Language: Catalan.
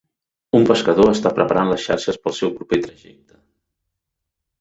Un pescador està preparant les xarxes per al seu proper trajecte.